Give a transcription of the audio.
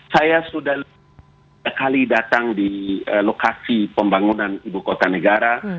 saya sudah tiga kali datang di lokasi pembangunan ibu kota negara